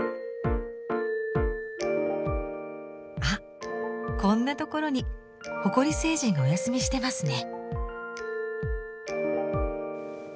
あっこんなところに埃星人がおやすみしてますね！